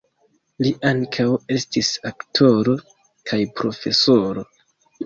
Li ankaŭ estis aktoro kaj profesoro.